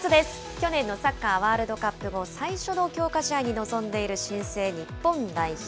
去年のサッカーワールドカップ後、最初の強化試合に臨んでいる新生日本代表。